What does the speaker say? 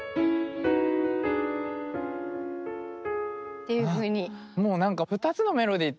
っていうふうに。